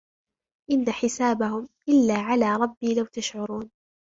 إن حسابهم إلا على ربي لو تشعرون